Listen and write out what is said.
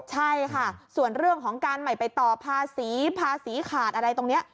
ใช่ค่ะส่วนเรื่องของการใหม่ไปต่อภาษีภาษีขาดอะไรตรงนี้